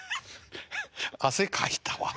汗かいたわ。